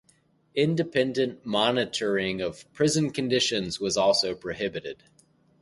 Independent monitoring of prison conditions was also prohibited.